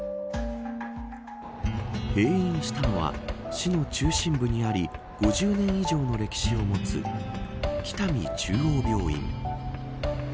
閉院したのは、市の中心部にあり５０年以上の歴史を持つ北見中央病院。